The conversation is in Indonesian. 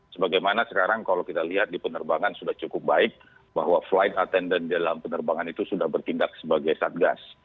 sebagaimana sekarang kalau kita lihat di penerbangan sudah cukup baik bahwa flight attendant dalam penerbangan itu sudah bertindak sebagai satgas